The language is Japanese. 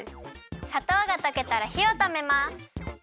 さとうがとけたらひをとめます。